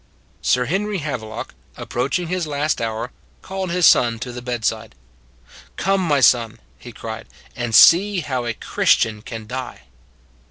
Sir Henry Havelock, approaching his last hour, called his son to the bedside: " Come, my son," he cried, " and see how a Christian can die."